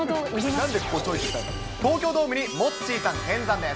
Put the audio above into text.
東京ドームにモッチーさん見参です。